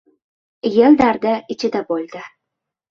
Yel dardi ichida bo‘ldi.